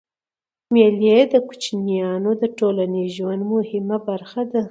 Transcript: مېلې د کوچنيانو د ټولنیز ژوند مهمه برخه ده.